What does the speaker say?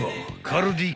カルディ。